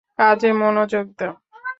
কাজে মনোযোগ দাও।